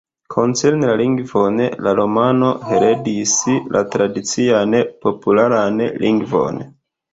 Koncerne la lingvon, la romano heredis la tradician popularan lingvon.